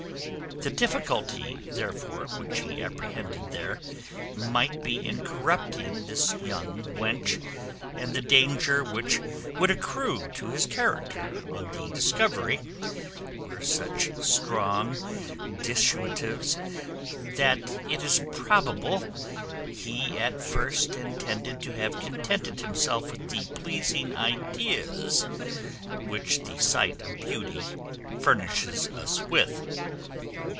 The difficulty therefore which he apprehended there might be in corrupting this young wench, and the danger which would accrue to his character on the discovery, were such strong dissuasives, that it is probable he at first intended to have contented himself with the pleasing ideas which the sight of beauty furnishes us with.